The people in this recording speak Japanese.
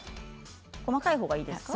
細かい方がいいですか？